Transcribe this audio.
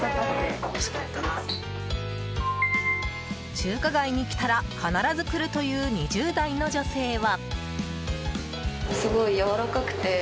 中華街に来たら必ず来るという２０代の女性は。